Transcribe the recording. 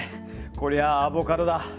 これはアボカドだ！